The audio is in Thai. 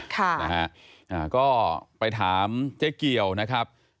ขอไปถามเจ๊เกียวนะครับ